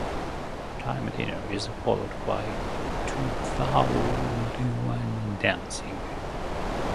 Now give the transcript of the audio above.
The dinner is followed by Tuvaluan dancing.